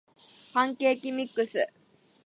パンケーキミックス